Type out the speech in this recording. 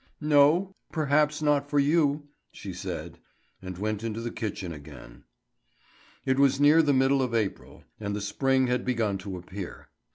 "No, perhaps not for you," she said, and went into the kitchen again. It was near the middle of April, and the spring had begun to appear.